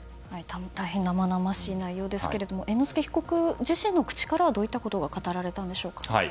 大変生々しい内容ですが猿之助被告自身の口からはどういったことが語られたんですか。